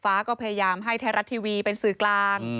ฟ้าก็พยายามให้ไทยรัฐทีวีเป็นสื่อกลาง